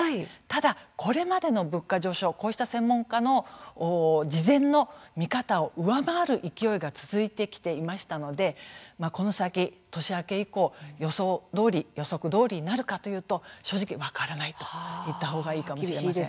ただ、これまでの物価上昇こうした専門家の事前の見方を上回る勢いが続いてきていましたので、この先年明け以降予想どおり予測どおりになるかというと正直、分からないと言ったほうがいいかもしれません。